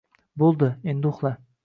Bo‘ldi, endi uxla.